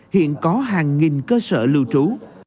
hiện có hàng nghìn cơ sở lưu trú